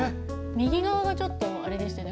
右側がちょっとあれですね